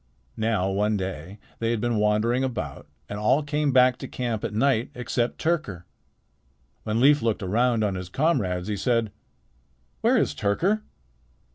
Now one day they had been wandering about and all came back to camp at night except Tyrker. When Leif looked around on his comrades, he said: "Where is Tyrker?"